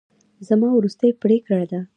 زما وروستۍ پرېکړه ده.